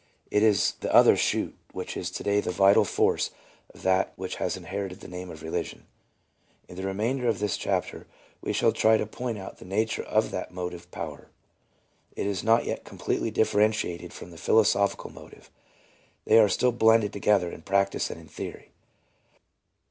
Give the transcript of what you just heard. It is this other shoot which is to day the vital force of that which has inherited the name of religion. In the remainder of this chapter we shall try to point out the nature of that motive power. It is not yet completely differ entiated from the philosophical motive ; they are still blended together in practice and in theory.